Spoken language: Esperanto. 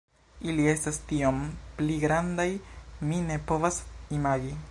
Ili estas tiom pli grandaj, mi ne povas imagi.